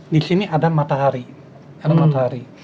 di sini ada matahari